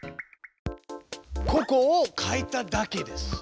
ここを変えただけです。